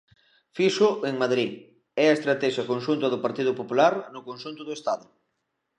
Fíxoo en Madrid, é a estratexia conxunta do Partido Popular no conxunto do Estado.